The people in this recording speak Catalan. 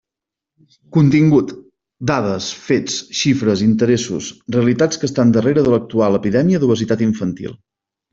Contingut: Dades, fets, xifres, interessos, realitats que estan darrere de l'actual epidèmia d'obesitat infantil.